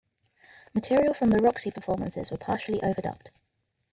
Material from the Roxy performances were partially overdubbed.